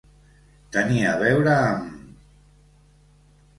Tenir a veure amb.